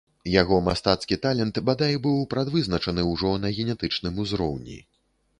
Яго мастацкі талент, бадай, быў прадвызначаны ўжо на генетычным узроўні.